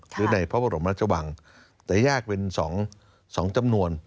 หรือในพระบรมราชวังแต่แยกเป็น๒จำนวน